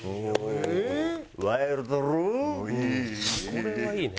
これはいいね。